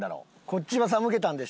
こっちは。